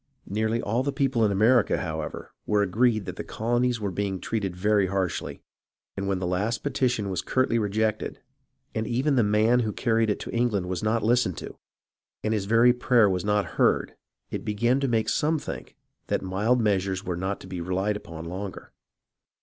Nearly all the people in America, however, were agreed that the colonies were being treated very harshly, and when the last petition was curtly rejected, and even the man who carried it to England was not listened to, and his very prayer was not heard, it began to make some think that mild meas ures were not to be relied upon longer.